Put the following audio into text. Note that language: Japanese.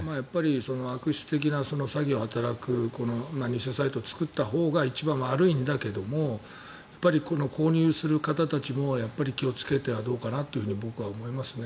悪質な詐欺を働く偽サイトを作ったほうが一番悪いんだけどもやっぱり購入する方たちも気をつけてはどうかなと僕は思いますね。